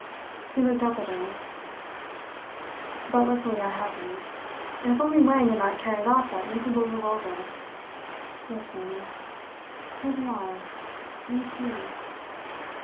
He looked up at her. "But luckily I have you. And if only Wang had not carried off that miserable revolver yes, Lena, here we are, we two!"